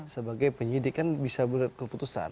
sebagai penyidik kan bisa buat keputusan